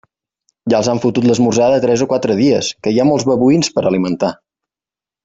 Ja els han fotut l'esmorzar de tres o quatre dies, que hi ha molts babuïns per alimentar.